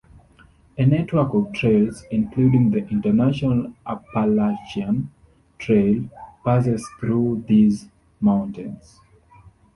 A network of trails, including the International Appalachian Trail, passes through these mountains.